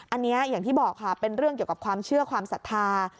อันนี้อย่างที่บอกค่ะเป็นเรื่องเกี่ยวกับความเชื่อความศรัทธา